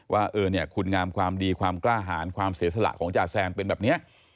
ว่าคุณงามความดีความกล้าหารความเสียสละของจ่าแซมเป็นแบบนี้